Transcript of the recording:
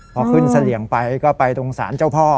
พอขึ้นเสลี่ยงไปก็ไปตรงศาลเจ้าพ่อ